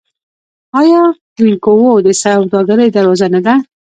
آیا وینکوور د سوداګرۍ دروازه نه ده؟